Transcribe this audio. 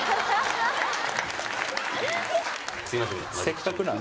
すいません